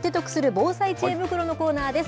防災知恵袋のコーナーです。